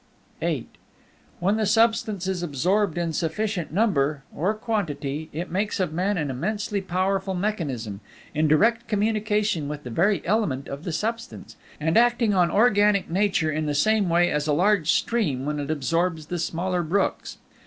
VIII When the Substance is absorbed in sufficient number (or quantity) it makes of man an immensely powerful mechanism, in direct communication with the very element of the Substance, and acting on organic nature in the same way as a large stream when it absorbs the smaller brooks.